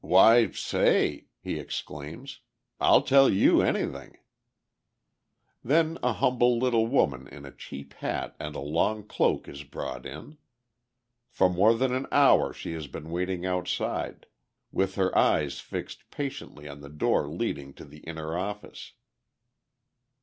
"Why, say!" he exclaims, "I'll tell you anything." Then a humble little woman in a cheap hat and a long cloak is brought in. For more than an hour she has been waiting outside, with her eyes fixed patiently on the door leading to the inner office.